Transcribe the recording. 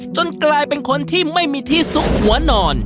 กลายเป็นคนที่ไม่มีที่ซุกหัวนอน